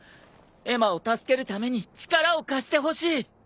エマを助けるために力を貸してほしい。